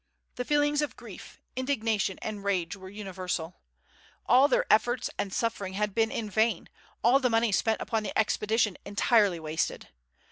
The feelings of grief, indignation, and rage were universal. All their efforts and suffering had been in vain, all the money spent upon the expedition entirely wasted.